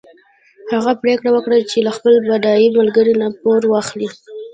هغه پرېکړه وکړه چې له خپل بډای ملګري نه پور واخلي.